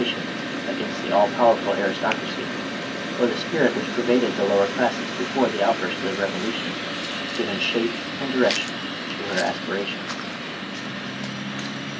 lions against the all powerful aristocracy, or the spirit which pervaded the lower classes before the outburst of the revolution, given shape and direction to her as pirations.